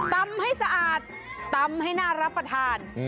ตำให้สะอาดตำให้น่ารับประทาน